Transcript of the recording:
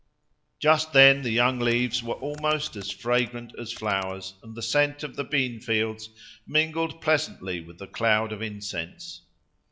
Just then the young leaves were almost as fragrant as flowers, and the scent of the bean fields mingled pleasantly with the cloud of incense.